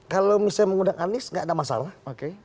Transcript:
kalau misalnya menggunakan anies tidak ada masalah